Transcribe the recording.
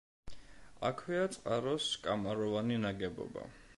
აქვეა წყაროს კამაროვანი ნაგებობა.